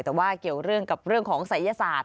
แต่ว่าเกี่ยวเรื่องกับเรื่องของศัยศาสตร์